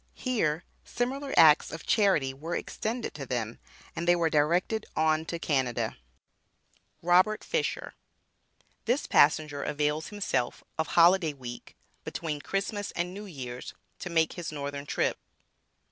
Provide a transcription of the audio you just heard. Here similar acts of charity were extended to them, and they were directed on to Canada. ROBERT FISHER. THIS PASSENGER AVAILS HIMSELF OF HOLIDAY WEEK, BETWEEN CHRISTMAS AND NEW YEAR'S, TO MAKE HIS NORTHERN TRIP.